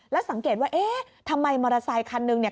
แล้วสังเกตว่าเอ๊ะทำไมมอเตอร์ไซคันนึงเนี่ย